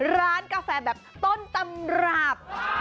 ร้านกาแฟแบบต้นตำรับ